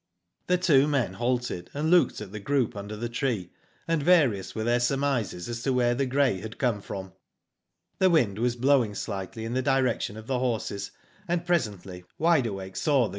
^ "The two men halted, and. looked at the group under the tree, and various were their sur mises as to where the grey had come from. "The wind was blowing slightly in the direction of the horses, and presently Wide Awake saw the Digitized byGoogk 96 WHO DID IT?